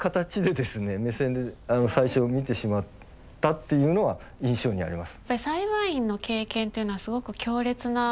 っていうのは印象にあります。